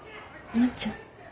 万ちゃん。